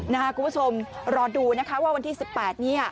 นะครับคุณผู้ชมรอดูว่าวันที่๑๘นี้